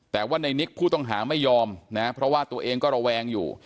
แต่ว่าในนิกผู้ต้องหาไม่ยอมนะเพราะว่าตัวเองก็ระแวงอยู่